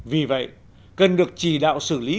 vì vậy cần được chỉ đạo xử lý